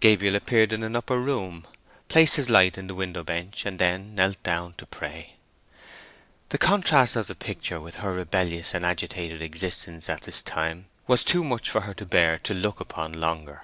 Gabriel appeared in an upper room, placed his light in the window bench, and then—knelt down to pray. The contrast of the picture with her rebellious and agitated existence at this same time was too much for her to bear to look upon longer.